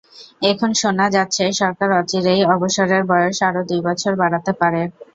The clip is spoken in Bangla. এখন শোনা যাচ্ছে সরকার অচিরেই অবসরের বয়স আরও দুই বছর বাড়াতে পারে।